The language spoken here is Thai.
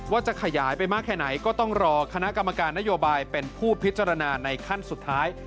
ว่าจะขยายไปมากแค่ไหนก็ต้องรอคณะกรรมการนโยบายเป็นผู้พิจารณาในขั้นสุดท้าย